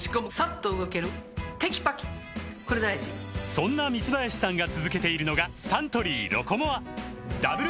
そんな三林さんが続けているのがサントリー「ロコモア」ダブル